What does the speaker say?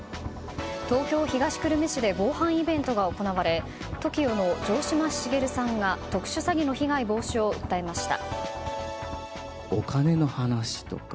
東京・東久留米市で防犯イベントが行われＴＯＫＩＯの城島茂さんが特殊詐欺の被害防止を訴えました。